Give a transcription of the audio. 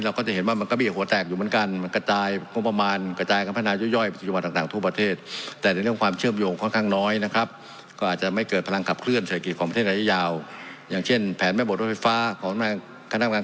เราก็จะเห็นว่ามันก็มีหัวแตกอยู่เหมือนกันมันกระจายมุมประมาณ